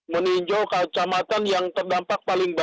kita meninjau kecamatan yang terdampak paling besar